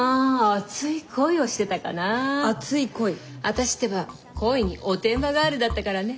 私ってば恋におてんばガールだったからね。